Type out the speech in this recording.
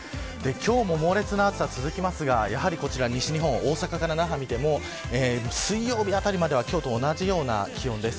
今日も猛烈な暑さが続いていますが西日本、大阪から那覇を見ても水曜日あたりまでは今日と同じような気温です。